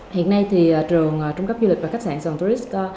hiện nay thì trường trung cấp du lịch và khách sạn sài gòn tourist